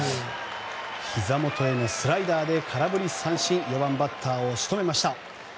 ひざ元へのスライダーへ空振り三振４番バッターを抑えました。